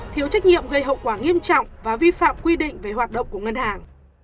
thiếu trách nhiệm gây hậu quả nghiêm trọng và vi phạm quy định về hoạt động của ngân hàng